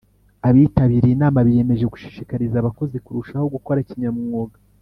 Abitabiriye inama biyemeje gushishikariza abakozi kurushaho gukora kinyamwuga